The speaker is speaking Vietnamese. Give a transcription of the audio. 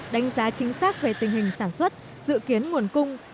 đánh giá chính xác về tình hình sản xuất dự kiến nguồn cung nhằm bảo đảm cân đối cùng cầu